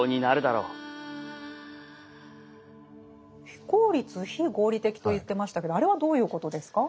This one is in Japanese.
非効率非合理的と言ってましたけどあれはどういうことですか？